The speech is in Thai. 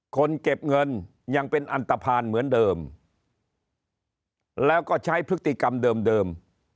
เก็บเงินยังเป็นอันตภัณฑ์เหมือนเดิมแล้วก็ใช้พฤติกรรมเดิม